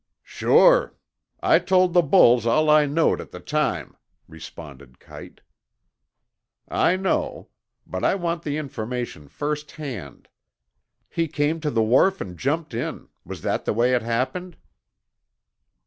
"Sure. I told the bulls all I knowed at the time," responded Kite. "I know. But I want the information first hand. He came to the wharf and jumped in. Was that the way it happened?"